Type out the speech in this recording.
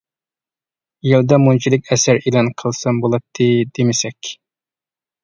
يىلدا مۇنچىلىك ئەسەر ئېلان قىلسام بولاتتى دېمىسەك.